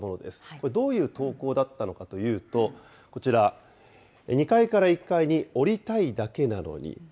これ、どういう投稿だったのかというと、こちら、２階から１階に降りたいだけなのに。